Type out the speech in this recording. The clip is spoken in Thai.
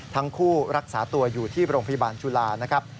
ทั้งคู่รักษาตัวอยู่ที่โรงพยาบาลจุฬานะครับ